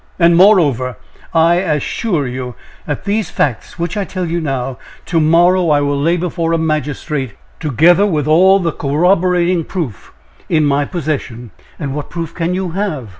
And, moreover, I as sure you, that these facts which I tell you now, to morrow I will lay before a magistrate, together with all the corroborating proof in my possession!" "And what proof can you have?"